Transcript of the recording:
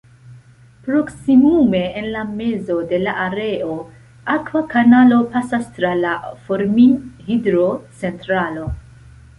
Proksimume en la mezo de la areo, akva kanalo pasas tra la Formin-hidro-centralo.